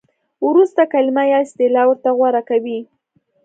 ورسته کلمه یا اصطلاح ورته غوره کوي.